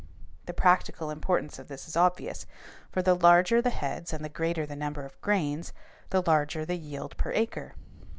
The practical importance of this is obvious, for the larger the heads and the greater the number of grains, the larger the yield per acre.